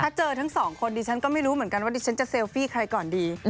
ถ้าเจอทั้งสองคนดิฉันก็ไม่รู้เหมือนกันว่าดิฉันจะเซลฟี่ใครก่อนดี